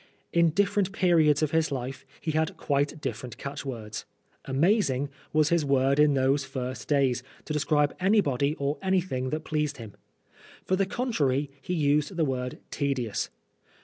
In different periods of his life he had different catchwords. ' Amazing ' was his word in those first days to describe anybody or anything that pleased him. For the contrary, he used the word ' tedious.'